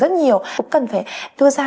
rất nhiều cũng cần phải đưa ra